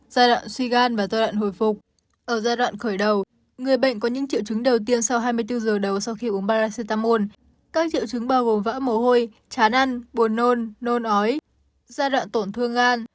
các triệu chứng bao gồm vã mồ hôi chán ăn buồn nôn nôn ói giai đoạn tổn thương gan